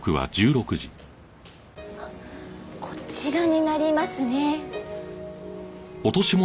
こちらになりますね。